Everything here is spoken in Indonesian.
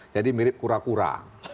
jadi mirip kura kura